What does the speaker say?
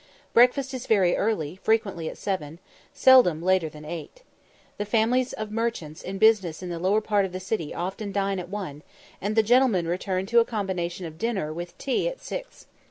Breakfast is very early, frequently at seven, seldom later than eight. The families of merchants in business in the lower part of the city often dine at one, and the gentlemen return to a combination of dinner with tea at six.